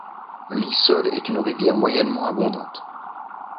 L'Issole est une rivière moyennement abondante.